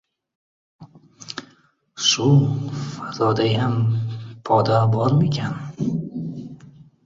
— Shu, fazodayam poda bormikin?